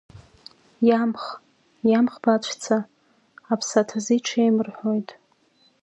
Иамх, иамх баҵәца, аԥсаҭазы иҽеим рҳәоит…